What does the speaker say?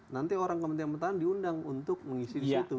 nanti orang kementerian pertahanan diundang untuk mengisi disitu